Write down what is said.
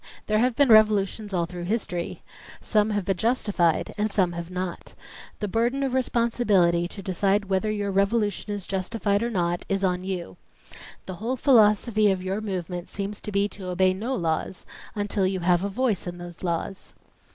There have been revolutions all through his tory. Some have been justified and some have not. The burden of responsibility to decide whether your revolution is justified or not is on you. The whole philosophy of your movement seems to be to obey no laws until you have a voice in those laws."